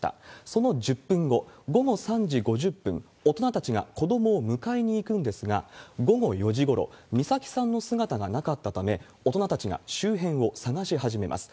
その１０分後、午後３時５０分、大人たちが子どもを迎えに行くんですが、午後４時ごろ、美咲さんの姿がなかったため、大人たちが周辺を捜し始めます。